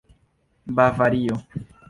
bavario